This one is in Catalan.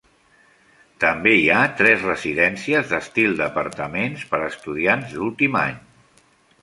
També hi ha tres residències d'estil d'apartaments per a estudiants d'últim any.